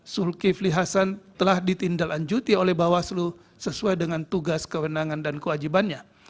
sulki flihasan telah ditindal anjuti oleh bahwa seluruh sesuai dengan tugas kewenangan dan kewajibannya